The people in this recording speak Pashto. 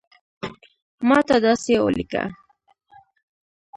ماته داسی اولیکه